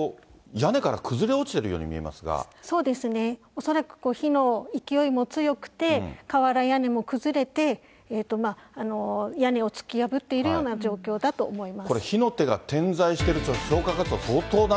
恐らく、火の勢いも強くて、瓦屋根も崩れて、屋根を突き破っているような状況だと思います。